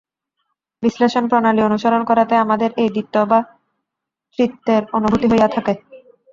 বিশ্লেষণ-প্রণালী অনুসরণ করাতেই আমাদের এই দ্বিত্ব বা ত্রিত্বের অনুভূতি হইয়া থাকে।